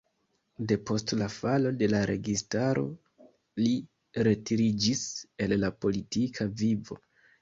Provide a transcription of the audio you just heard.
Depost la falo de la registaro li retiriĝis el la politika vivo.